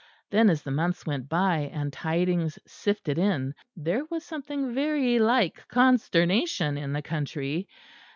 Then as the months went by, and tidings sifted in, there was something very like consternation in the country.